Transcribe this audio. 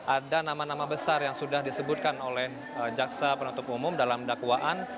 ada nama nama besar yang sudah disebutkan oleh jaksa penutup umum dalam dakwaan